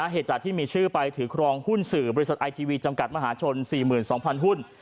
เหตุจากที่มีชื่อไปถือครองหุ้นสื่อบริษัทไอทีวีจำกัดมหาชน๔๒๐๐หุ้น